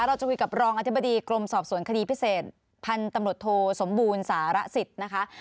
เราจะคุยกับรองอธิบดีกรมสอบสวนคดีพิเศษพันธุ์ตำรวจโทสมบูรณ์สารสิทธิ์นะคะ